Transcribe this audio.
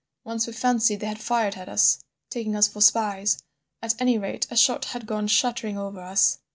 Once we fancied they had fired at us, taking us for spies—at any rate a shot had gone shuddering over us.